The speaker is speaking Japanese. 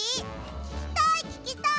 ききたいききたい！